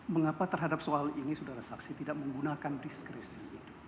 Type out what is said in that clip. mengapa terhadap soal ini saudara saksi tidak menggunakan diskresi